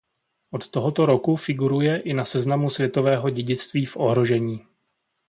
Od tohoto roku figuruje i na seznamu světového dědictví v ohrožení.